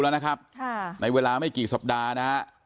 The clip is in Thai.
แล้วนะครับในเวลาไม่กี่สัปดาห์นะฮะ